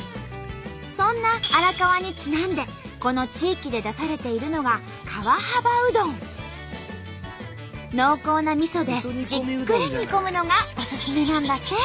そんな荒川にちなんでこの地域で出されているのが濃厚なみそでじっくり煮込むのがおすすめなんだって。